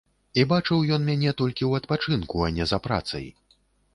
І бачыў ён мяне толькі ў адпачынку, а не за працай.